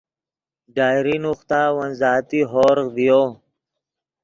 ڈائری نوختا ون ذاتی ہورغ ڤیو